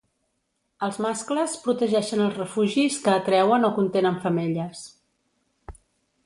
Els mascles protegeixen els refugis que atreuen o contenen femelles.